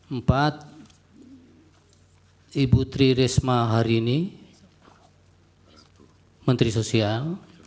empat ibu tri risma harini menteri sosial